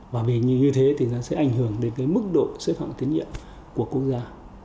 và vì như thế thì sẽ ảnh hưởng đến mức độ xếp hạng tín nhiệm của quốc gia